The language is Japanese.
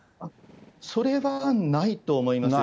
それはないと思います。